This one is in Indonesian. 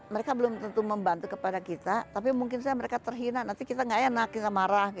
mereka belum tentu membantu kepada kita tapi mungkin saja mereka terhina nanti kita nggak enak kita marah